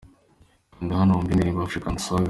Kanda hano wumve indirimbo African Swagga.